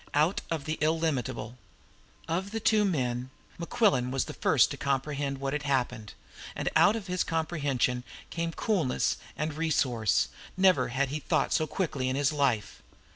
Out of the Illimitable Of the two men, Mequillen was the first to comprehend what had happened, and with his comprehension came coolness and resource. Never had he thought so quickly in his life.